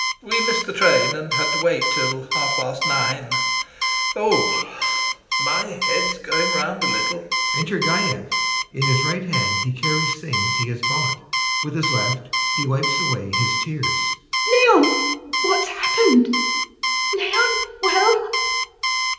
We missed the train, and had to wait till half past nine. [Sighs heavily] Ooh! My head's going round a little. [Enter GAEV; in his right hand he carries things he has bought, with his left he wipes away his tears.] LUBOV. Leon, what's happened? Leon, well?